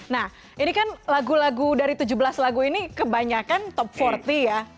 nah ini kan lagu lagu dari tujuh belas lagu ini kebanyakan top empat puluh ya